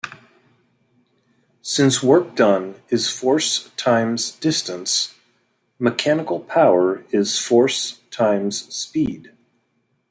Since work done is force times distance, mechanical power is force times speed.